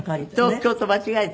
東京と間違えた？